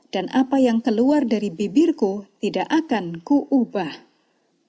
dan apa yang keluar dari bibirku tidak akan kemampuan aku